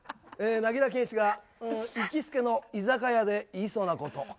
なぎら健壱が行きつけの居酒屋で言いそうなこと。